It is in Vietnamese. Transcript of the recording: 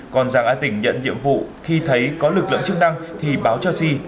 còn rằng a tỉnh nhận nhiệm vụ khi thấy có lực lượng chức năng thì báo cho si